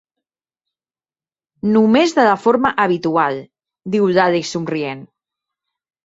"Només de la forma habitual", diu l"Alice, somrient.